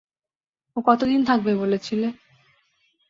ও কতদিন থাকবে বলেছিল?